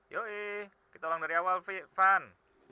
yoi kita ulang dari awal van